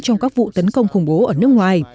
trong các vụ tấn công khủng bố ở nước ngoài